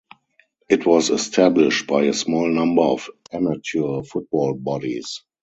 It was established by a small number of amateur football bodies.